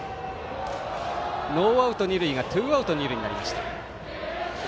ノーアウト二塁がツーアウト二塁になりました。